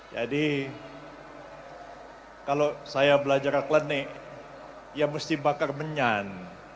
jadi kalau saya belajar aklenik ya mesti bakar menyan